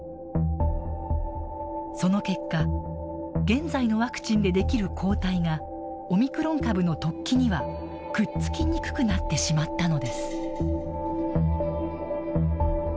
その結果現在のワクチンでできる抗体がオミクロン株の突起にはくっつきにくくなってしまったのです。